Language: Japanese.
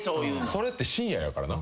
それって深夜やからな。